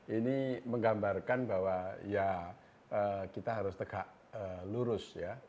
ini menggambarkan bahwa ya kita harus tegak lurus ya